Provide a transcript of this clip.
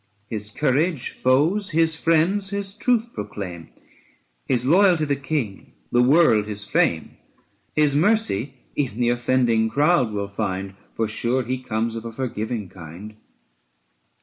His courage foes, his friends his truth proclaim, His loyalty the King, the world his fame. His mercy even the offending crowd will find, For sure he comes of a forgiving kind.